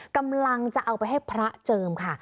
กำลังจะเอาไปให้พระเจิมค่ะ